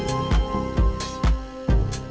jalan atau pake motor